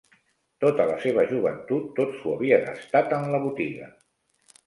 Tota la seva joventut, tot s'ho havia gastat en la botiga